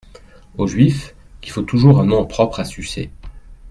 Aux Juifs, il faut toujours un nom propre à sucer.